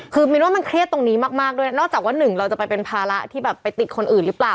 คือมินว่ามันเครียดตรงนี้มากด้วยนอกจากว่าหนึ่งเราจะไปเป็นภาระที่แบบไปติดคนอื่นหรือเปล่า